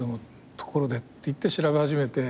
ところでっていって調べ始めて。